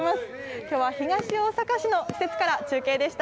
きょうは東大阪市の施設から中継でした。